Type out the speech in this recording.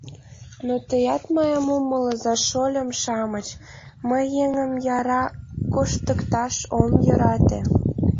Но теат мыйым умылыза, шольым-шамыч: мый еҥым яра коштыкташ ом йӧрате.